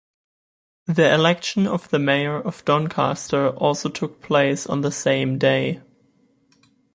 The election of the Mayor of Doncaster also took place on the same day.